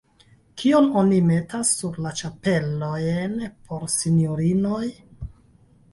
Kion oni metas sur la ĉapelojn por sinjorinoj?